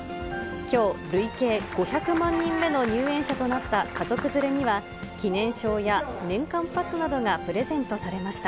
きょう、累計５００万人目の入園者となった家族連れには、記念証や年間パスなどがプレゼントされました。